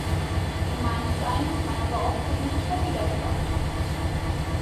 Gemeint sein kann aber auch politischer Widerstand.